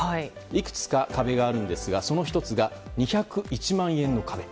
いくつか壁があるんですがその１つが２０１万円の壁。